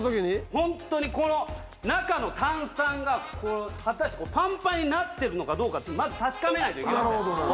ホントにこの中の炭酸が果たしてパンパンになってるのかどうかまず確かめないといけないですね。